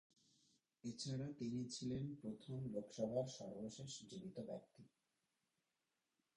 এছাড়া, তিনি ছিলেন প্রথম লোকসভার সর্বশেষ জীবিত ব্যক্তি।